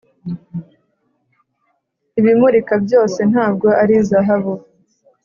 ibimurika byose ntabwo ari zahabu.